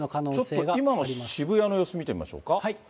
ちょっと、今の渋谷の様子、見てみましょうか。